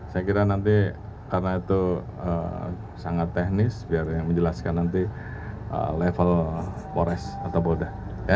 saya kira nanti karena itu sangat teknis biar menjelaskan nanti level polres atau polda